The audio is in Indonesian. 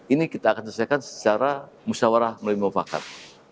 ini kita akan selesaikan secara musyawarah melalui mufakat